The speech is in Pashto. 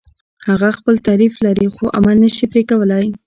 هغه خپل تعریف لري خو عمل نشي پرې کولای.